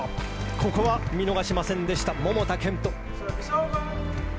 ここは見逃しませんでした、桃田賢斗。